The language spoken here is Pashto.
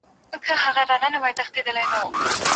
وارد شوي توکي باید سمی وي.